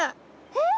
えっ？